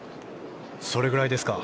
それぐらいですか。